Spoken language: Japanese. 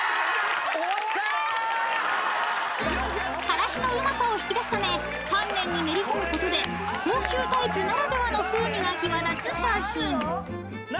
［からしのうまさを引き出すため丹念に練り込むことで高級タイプならではの風味が際立つ商品］